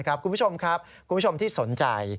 คุณผู้ชมครับคุณผู้ชมที่สนใจ